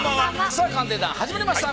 さぁ「鑑定団」始まりました。